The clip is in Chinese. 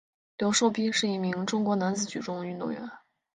刘寿斌是一名中国男子举重运动员。